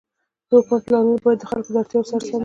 د حکومت پلانونه باید د خلکو د اړتیاوو سره سم وي.